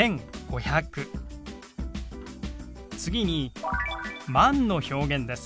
次に「万」の表現です。